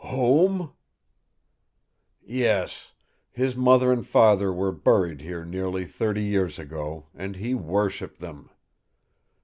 "Home ?" "Yes. His mother and father were buried here nearly thirty years ago, and he worshiped them.